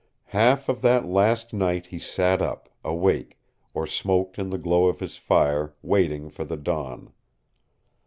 Half of that last night he sat up, awake, or smoked in the glow of his fire, waiting for the dawn.